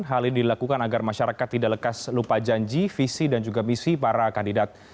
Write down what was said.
hal ini dilakukan agar masyarakat tidak lekas lupa janji visi dan juga misi para kandidat